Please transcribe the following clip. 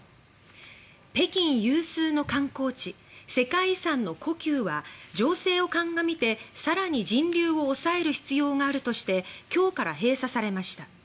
北京有数の観光地世界遺産の故宮は情勢を鑑みて、更に人流を抑える必要があるとして今日から閉鎖されました。